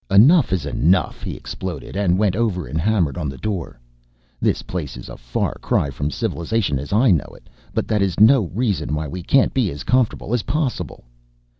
"Enough is enough!" he exploded and went over and hammered on the door. "This place is a far cry from civilization as I know it, but that is no reason why we can't be as comfortable as possible."